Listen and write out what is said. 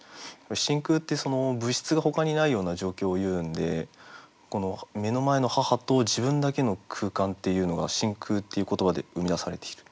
「真空」って物質がほかにないような状況をいうんでこの目の前の母と自分だけの空間っていうのが「真空」っていう言葉で生み出されている。